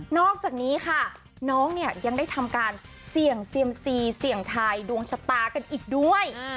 อกจากนี้ค่ะน้องเนี่ยยังได้ทำการเสี่ยงเซียมซีเสี่ยงทายดวงชะตากันอีกด้วย